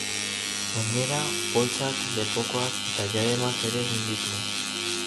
Gainera, poltsak, lepokoak eta diademak ere egiten ditu.